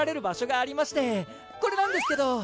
これなんですけど。